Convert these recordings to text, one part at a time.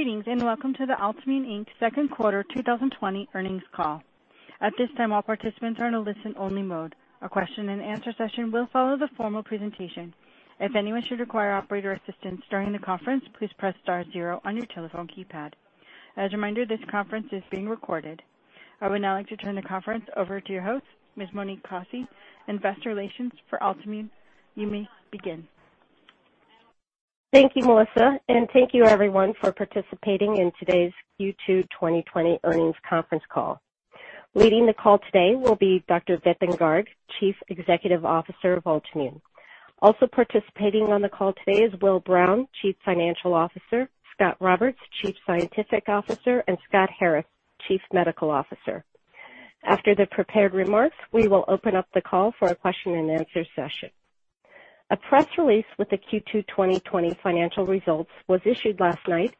Greetings, welcome to the Altimmune, Inc. Second Quarter 2020 Earnings Call. At this time, all participants are in a listen-only mode. A question and answer session will follow the formal presentation. If anyone should require operator assistance during the conference, please press star zero on your telephone keypad. As a reminder, this conference is being recorded. I would now like to turn the conference over to your host, Ms. Monique Kosse, investor relations for Altimmune. You may begin. Thank you, Monique, and thank you everyone for participating in today's Q2 2020 earnings conference call. Leading the call today will be Dr. Vipin Garg, Chief Executive Officer of Altimmune. Also participating on the call today is Will Brown, Chief Financial Officer, Scot Roberts, Chief Scientific Officer, and Scott Harris, Chief Medical Officer. After the prepared remarks, we will open up the call for a question and answer session. A press release with the Q2 2020 financial results was issued last night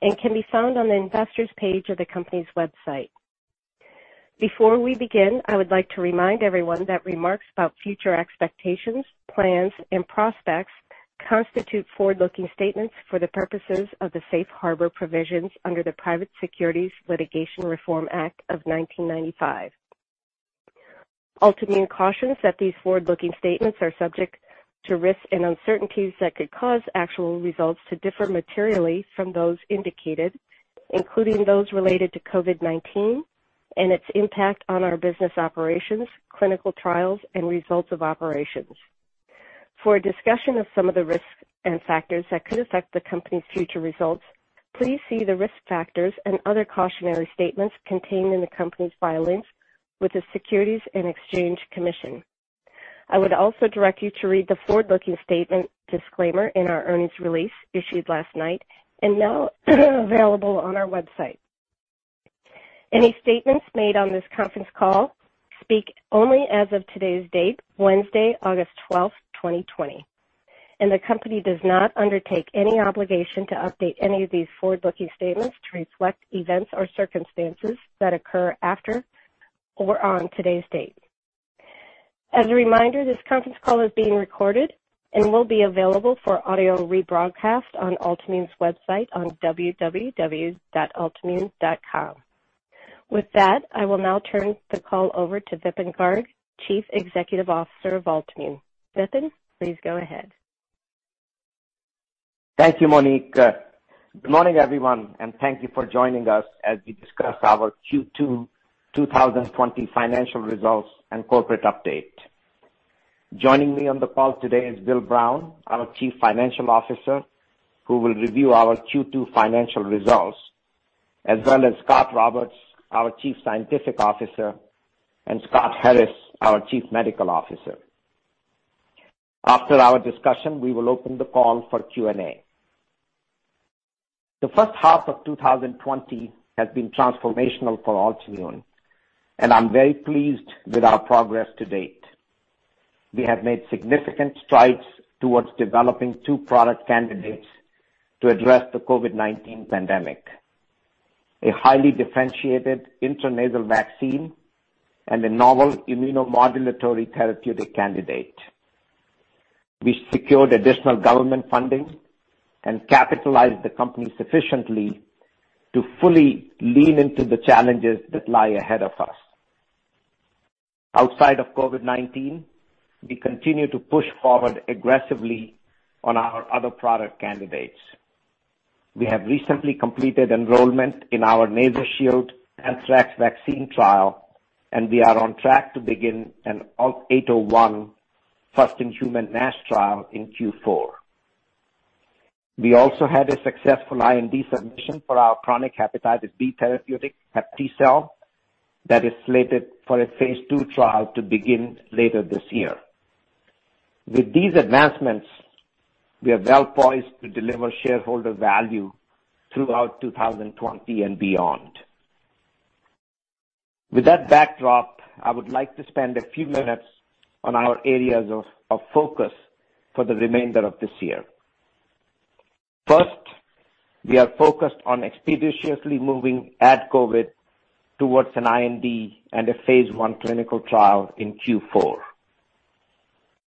and can be found on the investors page of the company's website. Before we begin, I would like to remind everyone that remarks about future expectations, plans, and prospects constitute forward-looking statements for the purposes of the safe harbor provisions under the Private Securities Litigation Reform Act of 1995. Altimmune cautions that these forward-looking statements are subject to risks and uncertainties that could cause actual results to differ materially from those indicated, including those related to COVID-19 and its impact on our business operations, clinical trials, and results of operations. For a discussion of some of the risks and factors that could affect the company's future results, please see the risk factors and other cautionary statements contained in the company's filings with the Securities and Exchange Commission. I would also direct you to read the forward-looking statement disclaimer in our earnings release issued last night and now available on our website. Any statements made on this conference call speak only as of today's date, Wednesday, August 12th, 2020, and the company does not undertake any obligation to update any of these forward-looking statements to reflect events or circumstances that occur after or on today's date. As a reminder, this conference call is being recorded and will be available for audio rebroadcast on Altimmune's website on www.altimmune.com. With that, I will now turn the call over to Vipin Garg, Chief Executive Officer of Altimmune. Vipin, please go ahead. Thank you, Monique. Good morning, everyone, and thank you for joining us as we discuss our Q2 2020 financial results and corporate update. Joining me on the call today is Will Brown, our Chief Financial Officer, who will review our Q2 financial results, as well as Scot Roberts, our Chief Scientific Officer, and Scott Harris, our Chief Medical Officer. After our discussion, we will open the call for Q&A. The first half of 2020 has been transformational for Altimmune. I'm very pleased with our progress to date. We have made significant strides towards developing two product candidates to address the COVID-19 pandemic, a highly differentiated intranasal vaccine and a novel immunomodulatory therapeutic candidate. We secured additional government funding and capitalized the company sufficiently to fully lean into the challenges that lie ahead of us. Outside of COVID-19, we continue to push forward aggressively on our other product candidates. We have recently completed enrollment in our NasoShield anthrax vaccine trial. We are on track to begin an ALT-801 first-in-human NASH trial in Q4. We also had a successful IND submission for our chronic hepatitis B therapeutic, HepTcell, that is slated for a phase II trial to begin later this year. With these advancements, we are well-poised to deliver shareholder value throughout 2020 and beyond. With that backdrop, I would like to spend a few minutes on our areas of focus for the remainder of this year. First, we are focused on expeditiously moving AdCOVID towards an IND and a phase I clinical trial in Q4.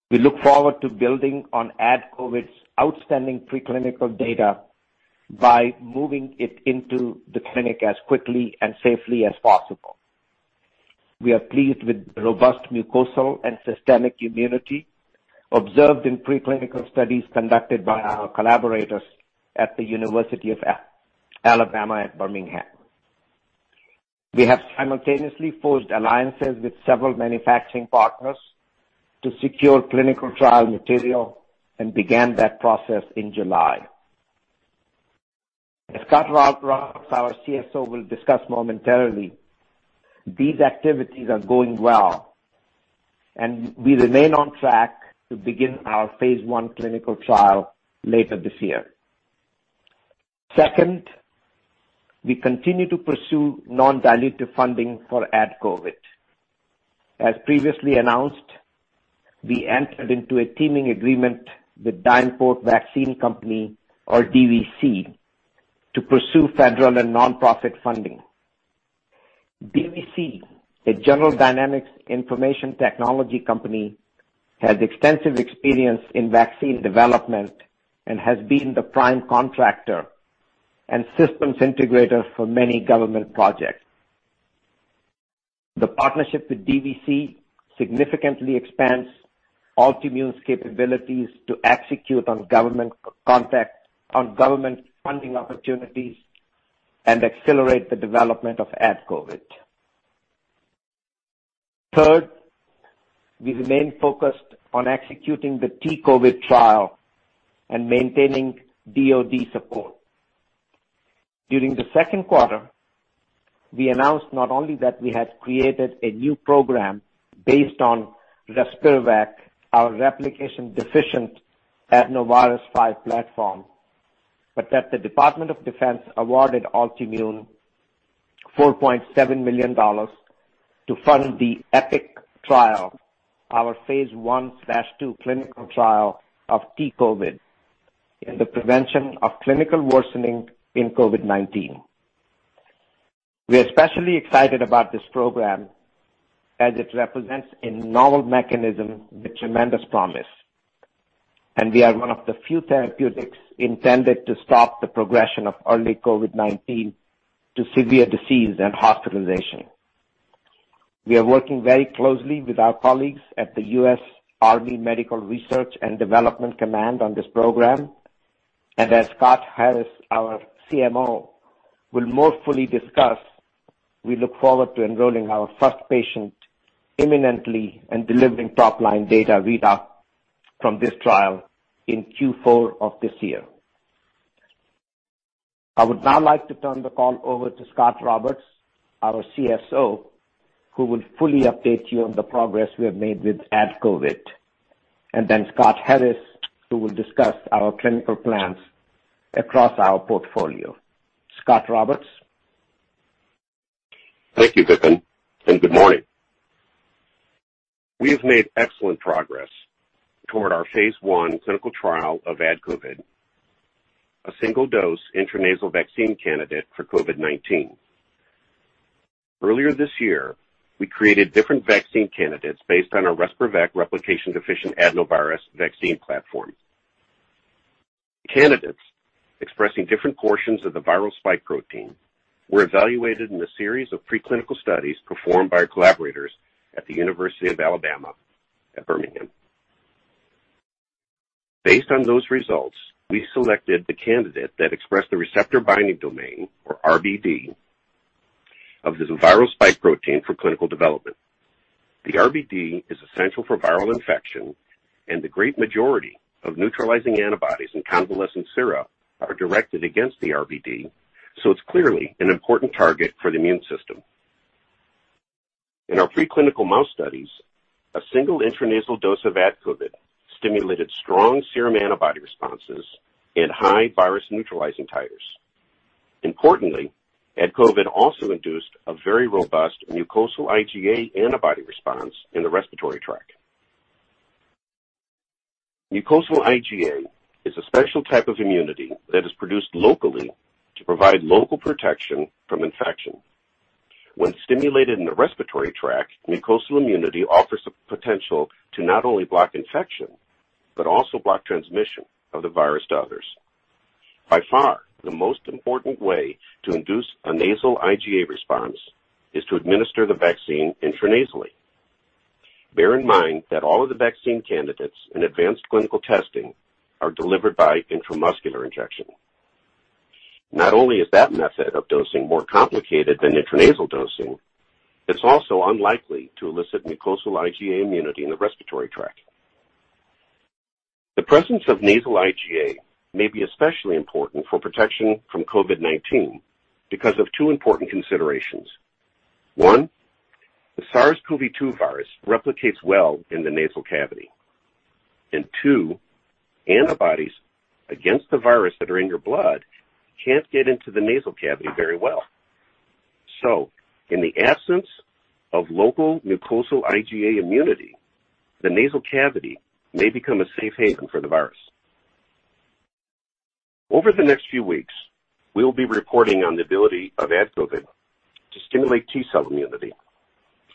We look forward to building on AdCOVID's outstanding preclinical data by moving it into the clinic as quickly and safely as possible. We are pleased with the robust mucosal and systemic immunity observed in preclinical studies conducted by our collaborators at the University of Alabama at Birmingham. We have simultaneously forged alliances with several manufacturing partners to secure clinical trial material and began that process in July. As Scot Roberts, our CSO, will discuss momentarily, these activities are going well, and we remain on track to begin our phase I clinical trial later this year. Second, we continue to pursue non-dilutive funding for AdCOVID. As previously announced, we entered into a teaming agreement with DynPort Vaccine Company, or DVC, to pursue federal and nonprofit funding. DVC, a General Dynamics Information Technology company, has extensive experience in vaccine development and has been the prime contractor and systems integrator for many government projects. The partnership with DVC significantly expands Altimmune's capabilities to execute on government funding opportunities and accelerate the development of AdCOVID. Third, we remain focused on executing the T-COVID trial and maintaining DoD support. During the second quarter, we announced not only that we had created a new program based on RespirVec, our replication-deficient adenovirus 5 platform, but that the Department of Defense awarded Altimmune $4.7 million to fund the EPIC trial, our phase I/II clinical trial of T-COVID in the prevention of clinical worsening in COVID-19. We're especially excited about this program as it represents a novel mechanism with tremendous promise, and we are one of the few therapeutics intended to stop the progression of early COVID-19 to severe disease and hospitalization. We are working very closely with our colleagues at the U.S. Army Medical Research and Development Command on this program. As Scott Harris, our CMO, will more fully discuss, we look forward to enrolling our first patient imminently and delivering top-line data read out from this trial in Q4 of this year. I would now like to turn the call over to Scot Roberts, our CSO, who will fully update you on the progress we have made with AdCOVID, and then Scott Harris, who will discuss our clinical plans across our portfolio. Scot Roberts. Thank you, Vipin, and good morning. We have made excellent progress toward our phase I clinical trial of AdCOVID, a single-dose intranasal vaccine candidate for COVID-19. Earlier this year, we created different vaccine candidates based on our RespirVec replication-deficient adenovirus vaccine platform. Candidates expressing different portions of the viral spike protein were evaluated in a series of preclinical studies performed by our collaborators at the University of Alabama at Birmingham. Based on those results, we selected the candidate that expressed the receptor binding domain, or RBD, of the viral spike protein for clinical development. The RBD is essential for viral infection, and the great majority of neutralizing antibodies in convalescent sera are directed against the RBD, so it's clearly an important target for the immune system. In our preclinical mouse studies, a single intranasal dose of AdCOVID stimulated strong serum antibody responses and high virus-neutralizing titers. Importantly, AdCOVID also induced a very robust mucosal IgA antibody response in the respiratory tract. Mucosal IgA is a special type of immunity that is produced locally to provide local protection from infection. When stimulated in the respiratory tract, mucosal immunity offers the potential to not only block infection, but also block transmission of the virus to others. By far, the most important way to induce a nasal IgA response is to administer the vaccine intranasally. Bear in mind that all of the vaccine candidates in advanced clinical testing are delivered by intramuscular injection. Not only is that method of dosing more complicated than intranasal dosing, it is also unlikely to elicit mucosal IgA immunity in the respiratory tract. The presence of nasal IgA may be especially important for protection from COVID-19 because of two important considerations. One, the SARS-CoV-2 virus replicates well in the nasal cavity, two, antibodies against the virus that are in your blood can't get into the nasal cavity very well. In the absence of local mucosal IgA immunity, the nasal cavity may become a safe haven for the virus. Over the next few weeks, we will be reporting on the ability of AdCOVID to stimulate T-cell immunity,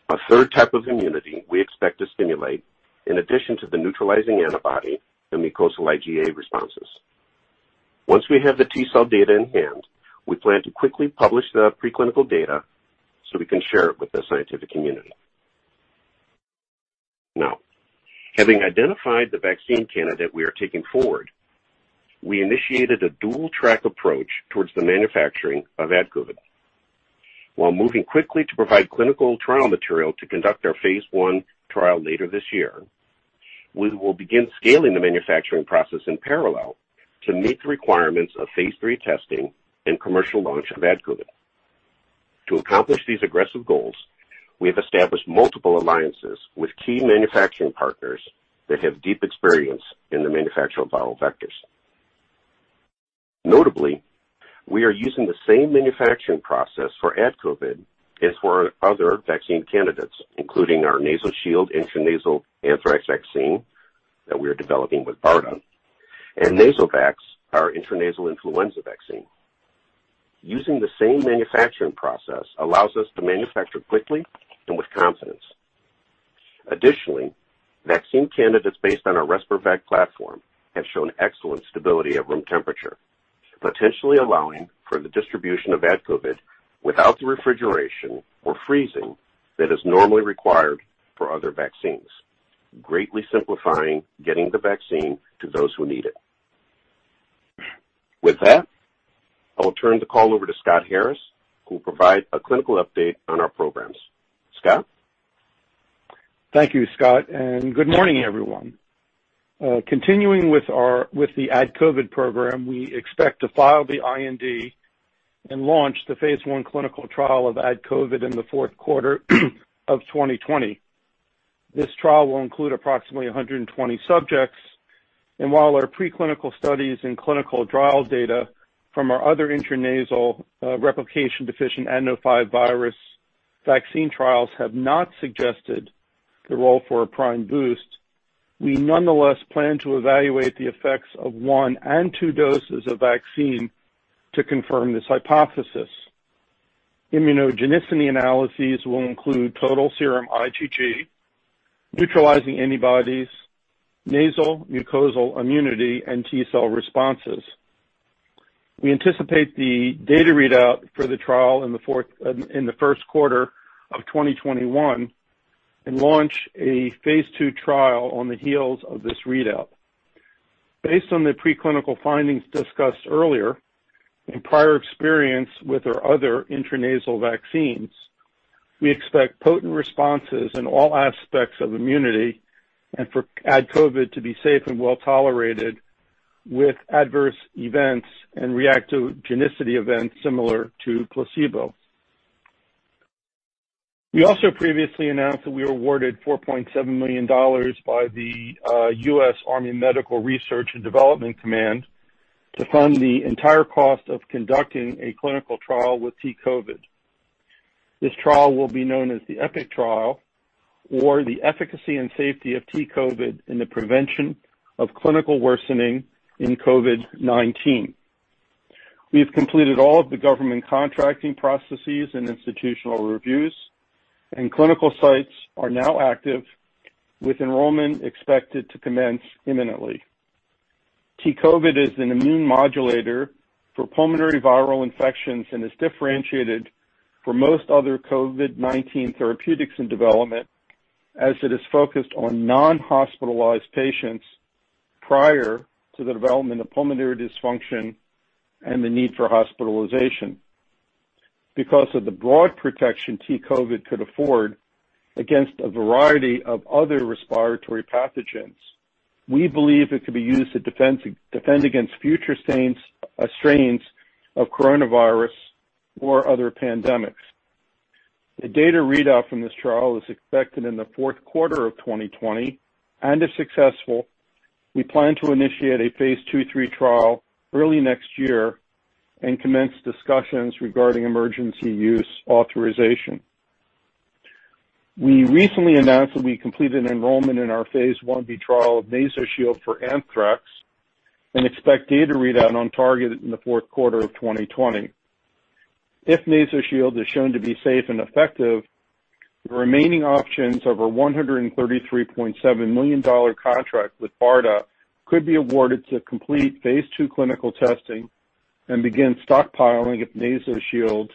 a third type of immunity we expect to stimulate in addition to the neutralizing antibody and mucosal IgA responses. Once we have the T-cell data in hand, we plan to quickly publish the preclinical data we can share it with the scientific community. Now, having identified the vaccine candidate we are taking forward, we initiated a dual-track approach towards the manufacturing of AdCOVID. While moving quickly to provide clinical trial material to conduct our phase I trial later this year, we will begin scaling the manufacturing process in parallel to meet the requirements of phase III testing and commercial launch of AdCOVID. To accomplish these aggressive goals, we have established multiple alliances with key manufacturing partners that have deep experience in the manufacture of viral vectors. Notably, we are using the same manufacturing process for AdCOVID as for our other vaccine candidates, including our NasoShield intranasal anthrax vaccine that we are developing with BARDA and NasoVAX, our intranasal influenza vaccine. Using the same manufacturing process allows us to manufacture quickly and with confidence. Additionally, vaccine candidates based on our RespirVec platform have shown excellent stability at room temperature, potentially allowing for the distribution of AdCOVID without the refrigeration or freezing that is normally required for other vaccines, greatly simplifying getting the vaccine to those who need it. With that, I will turn the call over to Scott Harris, who will provide a clinical update on our programs. Scott? Thank you, Scot, and good morning, everyone. Continuing with the AdCOVID program, we expect to file the IND and launch the phase I clinical trial of AdCOVID in the fourth quarter of 2020. This trial will include approximately 120 subjects, and while our preclinical studies and clinical trial data from our other intranasal replication-deficient adeno5 virus vaccine trials have not suggested the role for a prime boost, we nonetheless plan to evaluate the effects of one and two doses of vaccine to confirm this hypothesis. Immunogenicity analyses will include total serum IgG, neutralizing antibodies, nasal mucosal immunity, and T-cell responses. We anticipate the data readout for the trial in the first quarter of 2021, and launch a phase II trial on the heels of this readout. Based on the preclinical findings discussed earlier, and prior experience with our other intranasal vaccines, we expect potent responses in all aspects of immunity and for AdCOVID to be safe and well-tolerated, with adverse events and reactogenicity events similar to placebo. We also previously announced that we were awarded $4.7 million by the U.S. Army Medical Research and Development Command to fund the entire cost of conducting a clinical trial with T-COVID. This trial will be known as the EPIC trial, or the efficacy and safety of T-COVID in the prevention of clinical worsening in COVID-19. We have completed all of the government contracting processes and institutional reviews, and clinical sites are now active, with enrollment expected to commence imminently. T-COVID is an immune modulator for pulmonary viral infections and is differentiated from most other COVID-19 therapeutics in development, as it is focused on non-hospitalized patients prior to the development of pulmonary dysfunction and the need for hospitalization. Because of the broad protection T-COVID could afford against a variety of other respiratory pathogens, we believe it could be used to defend against future strains of coronavirus or other pandemics. The data readout from this trial is expected in the fourth quarter of 2020. If successful, we plan to initiate a phase II/III trial early next year and commence discussions regarding emergency use authorization. We recently announced that we completed an enrollment in our phase I-B trial of NasoShield for anthrax and expect data readout on target in the fourth quarter of 2020. If NasoShield is shown to be safe and effective, the remaining options of our $133.7 million contract with BARDA could be awarded to complete phase II clinical testing and begin stockpiling of NasoShield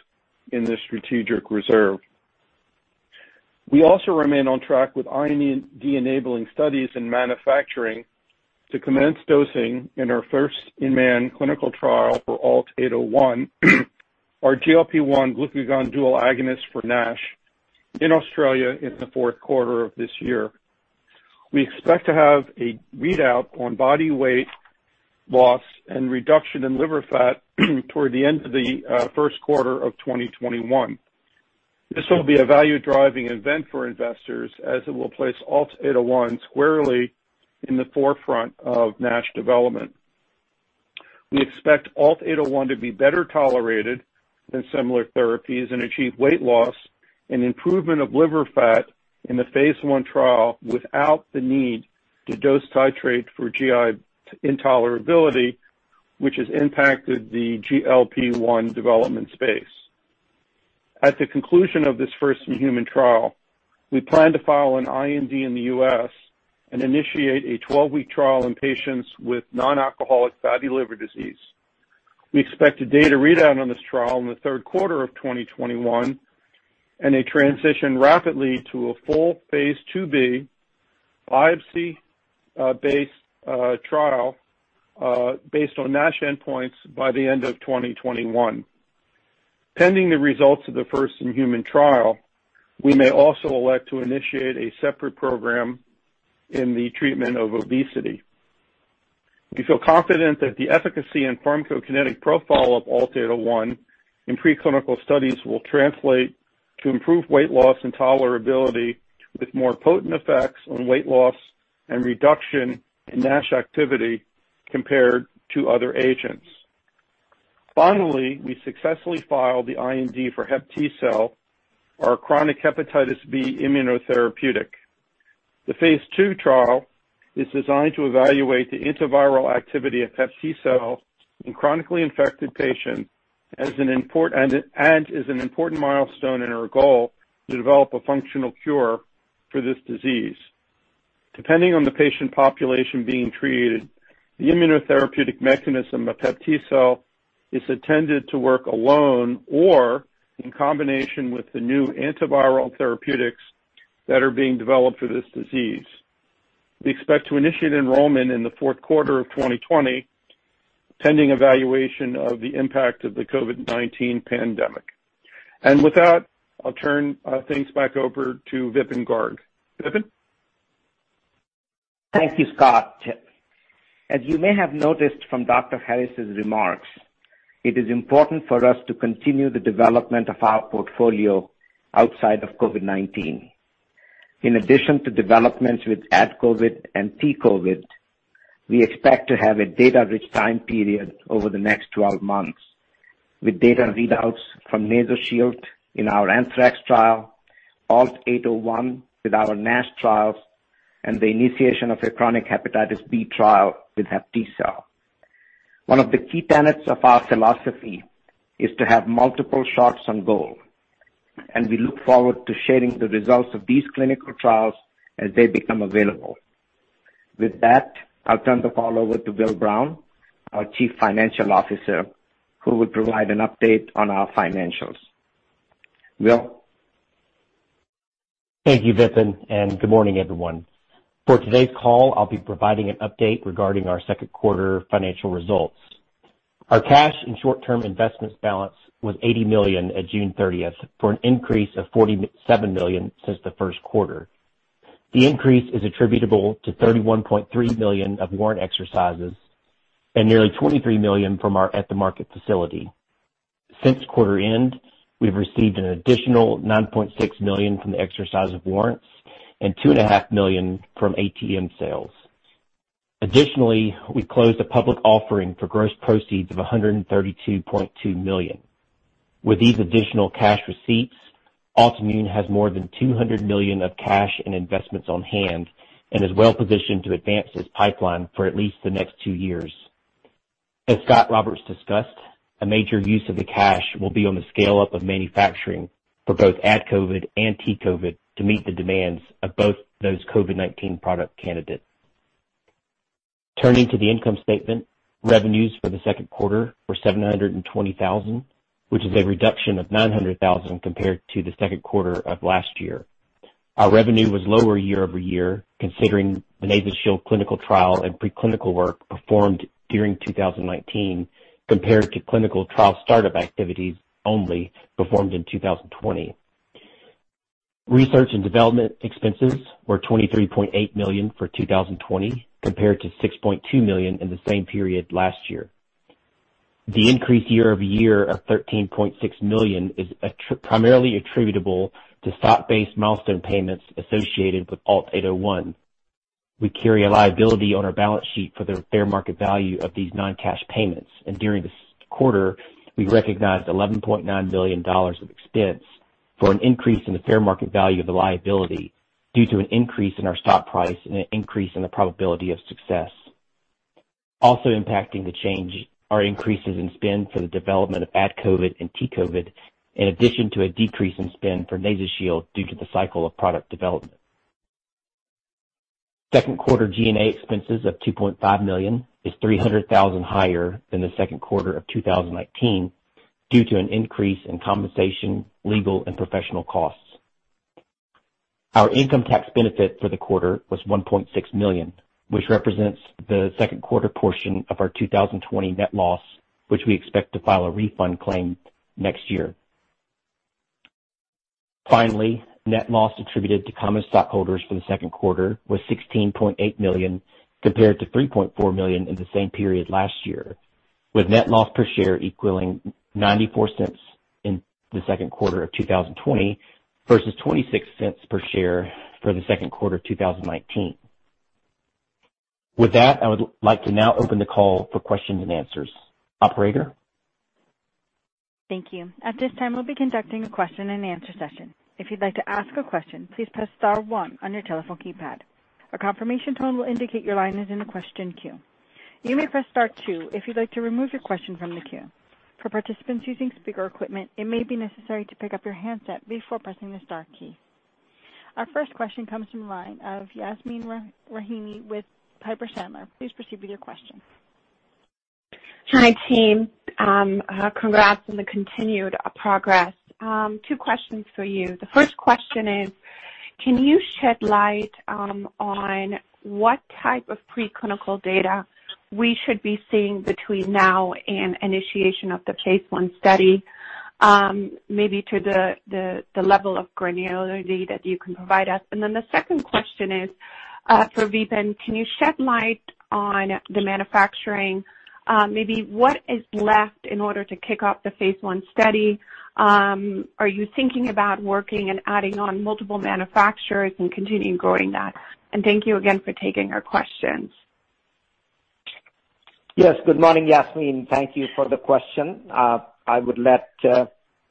in the strategic reserve. We also remain on track with IND-enabling studies and manufacturing to commence dosing in our first-in-man clinical trial for ALT-801, our GLP-1 glucagon dual agonist for NASH, in Australia in the fourth quarter of this year. We expect to have a readout on body weight loss and reduction in liver fat toward the end of the first quarter of 2021. This will be a value-driving event for investors, as it will place ALT-801 squarely in the forefront of NASH development. We expect ALT-801 to be better tolerated than similar therapies and achieve weight loss and improvement of liver fat in the phase I trial without the need to dose titrate for GI intolerability, which has impacted the GLP-1 development space. At the conclusion of this first human trial, we plan to file an IND in the U.S. and initiate a 12-week trial in patients with non-alcoholic fatty liver disease. We expect a data readout on this trial in the third quarter of 2021, and a transition rapidly to a full phase II-B biopsy-based trial, based on NASH endpoints, by the end of 2021. Pending the results of the first human trial, we may also elect to initiate a separate program in the treatment of obesity. We feel confident that the efficacy and pharmacokinetic profile of ALT-801 in preclinical studies will translate to improved weight loss and tolerability with more potent effects on weight loss and reduction in NASH activity compared to other agents. Finally, we successfully filed the IND for HepTcell, our chronic hepatitis B immunotherapeutic. The phase II trial is designed to evaluate the antiviral activity of HepTcell in chronically infected patients and is an important milestone in our goal to develop a functional cure for this disease. Depending on the patient population being treated, the immunotherapeutic mechanism of HepTcell is intended to work alone or in combination with the new antiviral therapeutics that are being developed for this disease. We expect to initiate enrollment in the fourth quarter of 2020, pending evaluation of the impact of the COVID-19 pandemic. With that, I'll turn things back over to Vipin Garg. Vipin? Thank you, Scott. As you may have noticed from Dr. Harris' remarks, it is important for us to continue the development of our portfolio outside of COVID-19. In addition to developments with AdCOVID and T-COVID, we expect to have a data-rich time period over the next 12 months with data readouts from NasoShield in our anthrax trial, ALT-801 with our NASH trials, and the initiation of a chronic hepatitis B trial with HepTcell. One of the key tenets of our philosophy is to have multiple shots on goal. We look forward to sharing the results of these clinical trials as they become available. With that, I'll turn the call over to Will Brown, our Chief Financial Officer, who will provide an update on our financials. Will? Thank you, Vipin, and good morning, everyone. For today's call, I'll be providing an update regarding our second quarter financial results. Our cash and short-term investments balance was $80 million at June 30th, for an increase of $47 million since the first quarter. The increase is attributable to $31.3 million of warrant exercises and nearly $23 million from our at-the-market facility. Since quarter end, we've received an additional $9.6 million from the exercise of warrants and $2.5 million from ATM sales. Additionally, we closed a public offering for gross proceeds of $132.2 million. With these additional cash receipts, Altimmune has more than $200 million of cash and investments on hand and is well-positioned to advance its pipeline for at least the next two years. As Scot Roberts discussed, a major use of the cash will be on the scale-up of manufacturing for both AdCOVID and T-COVID to meet the demands of both those COVID-19 product candidates. Turning to the income statement, revenues for the second quarter were $720,000, which is a reduction of $900,000 compared to the second quarter of last year. Our revenue was lower year-over-year, considering the NasoShield clinical trial and preclinical work performed during 2019, compared to clinical trial startup activities only performed in 2020. Research and development expenses were $23.8 million for 2020, compared to $6.2 million in the same period last year. The increase year-over-year of $13.6 million is primarily attributable to stock-based milestone payments associated with ALT-801. We carry a liability on our balance sheet for the fair market value of these non-cash payments, and during this quarter, we recognized $11.9 million of expense for an increase in the fair market value of the liability due to an increase in our stock price and an increase in the probability of success. Also impacting the change are increases in spend for the development of AdCOVID and T-COVID, in addition to a decrease in spend for NasoShield due to the cycle of product development. Second quarter G&A expenses of $2.5 million is $300,000 higher than the second quarter of 2019 due to an increase in compensation, legal, and professional costs. Our income tax benefit for the quarter was $1.6 million, which represents the second quarter portion of our 2020 net loss, which we expect to file a refund claim next year. Net loss attributed to common stockholders for the second quarter was $16.8 million, compared to $3.4 million in the same period last year, with net loss per share equaling $0.94 in the second quarter of 2020 versus $0.26 per share for the second quarter of 2019. With that, I would like to now open the call for questions and answers. Operator? Thank you. At this time, we'll be conducting a question and answer session. If you'd like to ask a question, please press star one on your telephone keypad. A confirmation tone will indicate your line is in the question queue. You may press star two if you'd like to remove your question from the queue. For participants using speaker equipment, it may be necessary to pick up your handset before pressing the star key. Our first question comes from the line of Yasmeen Rahimi with Piper Sandler. Please proceed with your question. Hi, team. Congrats on the continued progress. Two questions for you. The first question is, can you shed light on what type of pre-clinical data we should be seeing between now and initiation of the phase I study? Maybe to the level of granularity that you can provide us. The second question is for Vipin, can you shed light on the manufacturing maybe what is left in order to kick off the phase I study? Are you thinking about working and adding on multiple manufacturers and continuing growing that? Thank you again for taking our questions Good morning, Yasmeen. Thank you for the question. I would let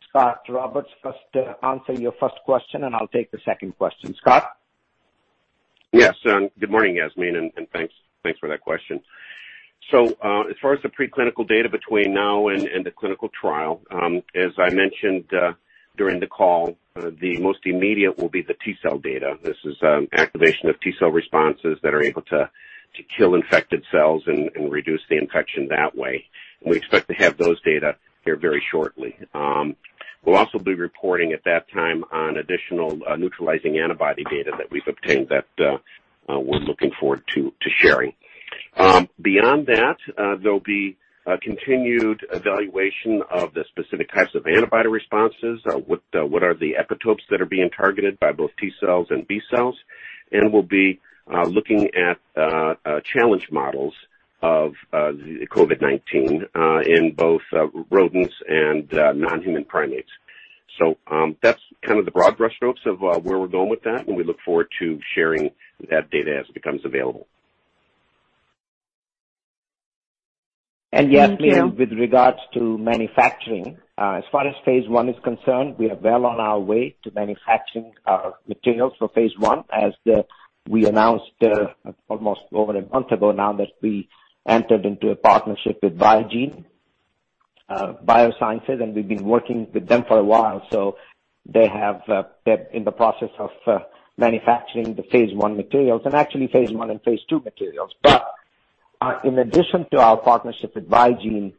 Scot Roberts first answer your first question, and I'll take the second question. Scot? Yes. Good morning, Yasmeen, and thanks for that question. As far as the preclinical data between now and the clinical trial, as I mentioned during the call, the most immediate will be the T-cell data. This is activation of T-cell responses that are able to kill infected cells and reduce the infection that way. We expect to have those data here very shortly. We'll also be reporting at that time on additional neutralizing antibody data that we've obtained that we're looking forward to sharing. Beyond that, there'll be a continued evaluation of the specific types of antibody responses. What are the epitopes that are being targeted by both T-cells and B-cells? We'll be looking at challenge models of COVID-19 in both rodents and non-human primates. That's kind of the broad brushstrokes of where we're going with that, and we look forward to sharing that data as it becomes available. Yasmeen, with regards to manufacturing, as far as phase I is concerned, we are well on our way to manufacturing our materials for phase I, as we announced almost over a month ago now that we entered into a partnership with Vigene Biosciences, and we've been working with them for a while. They're in the process of manufacturing the phase I materials, and actually phase I and phase II materials. In addition to our partnership with Vigene,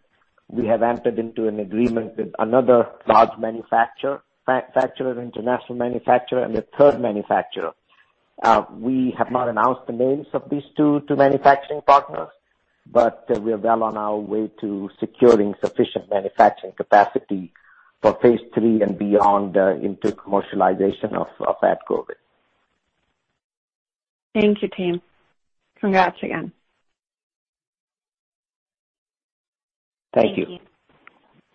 we have entered into an agreement with another large manufacturer, international manufacturer, and a third manufacturer. We have not announced the names of these two manufacturing partners, we are well on our way to securing sufficient manufacturing capacity for phase III and beyond into commercialization of AdCOVID. Thank you, team. Congrats again. Thank you.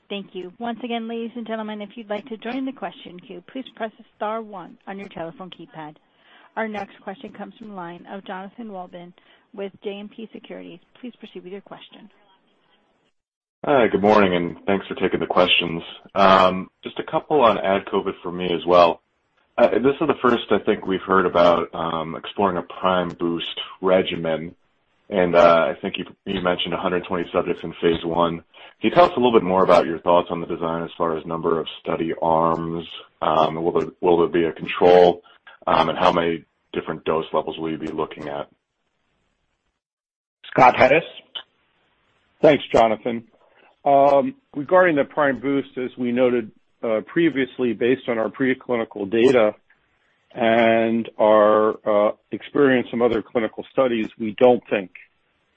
Thank you. Once again, ladies and gentlemen, if you'd like to join the question queue, please press star one on your telephone keypad. Our next question comes from the line of Jonathan Wolleben with JMP Securities. Hi, good morning, and thanks for taking the questions. Just a couple on AdCOVID for me as well. This is the first I think we've heard about exploring a prime boost regimen, and I think you mentioned 120 subjects in phase I. Can you tell us a little bit more about your thoughts on the design as far as number of study arms? Will there be a control? How many different dose levels will you be looking at? Scott Harris. Thanks, Jonathan. Regarding the prime boost, as we noted previously, based on our preclinical data and our experience from other clinical studies, we do not think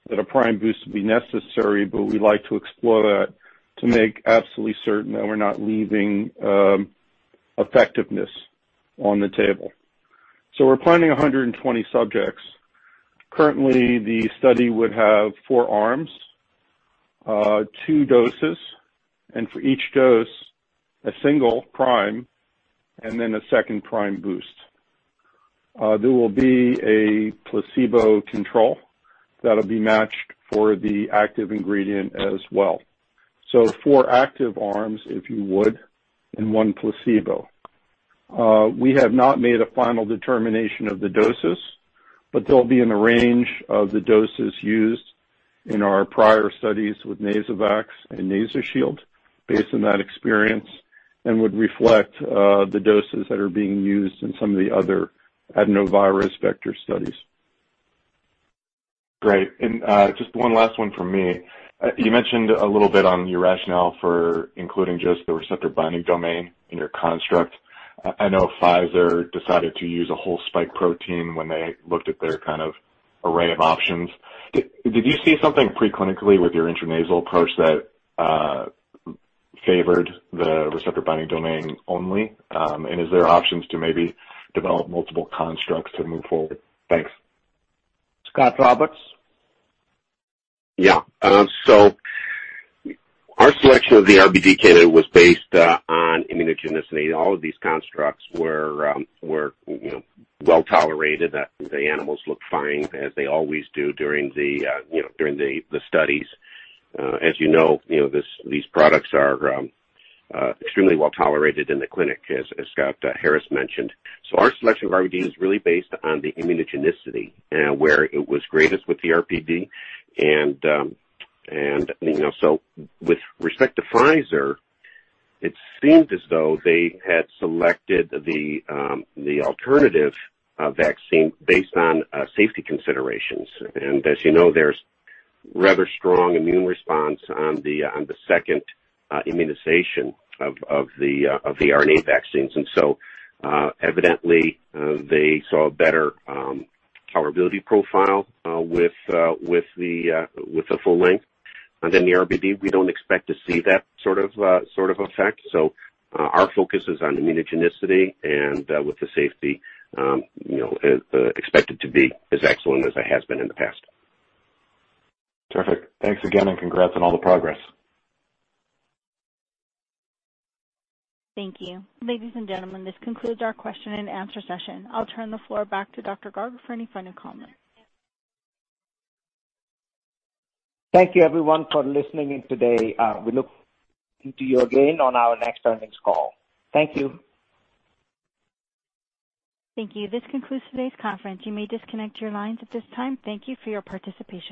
that a prime boost will be necessary, but we would like to explore that to make absolutely certain that we are not leaving effectiveness on the table. We are planning 120 subjects. Currently, the study would have four arms, two doses, and for each dose, a single prime and then a second prime boost. There will be a placebo control that will be matched for the active ingredient as well. Four active arms, if you would, and one placebo. We have not made a final determination of the doses, but they'll be in a range of the doses used in our prior studies with NasoVAX and NasoShield based on that experience and would reflect the doses that are being used in some of the other adenovirus vector studies. Great. Just one last one from me. You mentioned a little bit on your rationale for including just the receptor binding domain in your construct. I know Pfizer decided to use a whole spike protein when they looked at their kind of array of options. Did you see something pre-clinically with your intranasal approach that favored the receptor binding domain only? Is there options to maybe develop multiple constructs to move forward? Thanks. Scot Roberts. Yeah. Our selection of the RBD candidate was based on immunogenicity. All of these constructs were well-tolerated. The animals looked fine, as they always do during the studies. As you know, these products are extremely well-tolerated in the clinic, as Scott Harris mentioned. Our selection of RBD is really based on the immunogenicity and where it was greatest with the RBD. With respect to Pfizer, it seemed as though they had selected the alternative vaccine based on safety considerations. As you know, there's rather strong immune response on the second immunization of the RNA vaccines. Evidently, they saw a better tolerability profile with the full length than the RBD. We don't expect to see that sort of effect. Our focus is on immunogenicity and with the safety expected to be as excellent as it has been in the past. Terrific. Thanks again. Congrats on all the progress. Thank you. Ladies and gentlemen, this concludes our question and answer session. I'll turn the floor back to Dr. Garg for any final comments. Thank you everyone for listening in today. We look forward to you again on our next earnings call. Thank you. Thank you. This concludes today's conference. You may disconnect your lines at this time. Thank you for your participation.